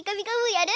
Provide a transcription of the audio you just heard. やる？